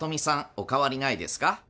お変わりないですか？」